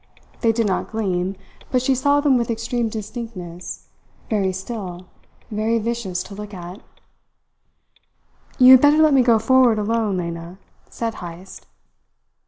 They did not gleam, but she saw them with extreme distinctness, very still, very vicious to look at. "You had better let me go forward alone, Lena," said Heyst.